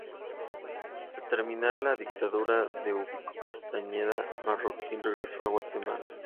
Al terminar la dictadura de Ubico Castañeda, Marroquín regresó a Guatemala.